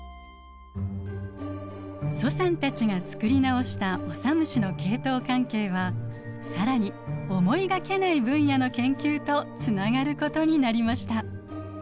蘇さんたちが作り直したオサムシの系統関係は更に思いがけない分野の研究とつながることになりました。